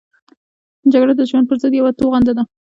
جګړه د ژوند پرضد یوه توغنده ده